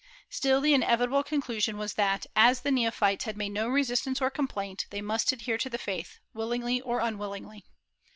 Still, the inevitable conclusion was that, as the neophytes had made no resistance or complaint, they must adhere to the faith, willingly or unwillingly.